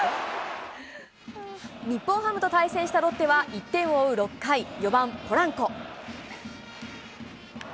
日本ハムと対戦したロッテは１点を追う６回、４番ポランコ。